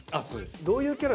どういうキャラなの？